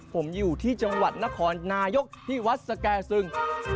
ผมอยู่ที่จังหวัดนครนายกที่วัดสแก่ซึง